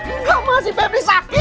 enggak maa si febri sakit